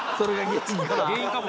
原因かも。